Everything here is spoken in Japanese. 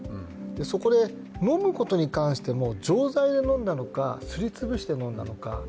そこで飲むことに関しても錠剤で飲んだのか、すり潰して飲んだのか。